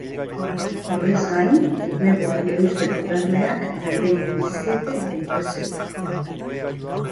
Horrez gain, enpleguari eusteko bermeak galdegin dizkiete enpresei.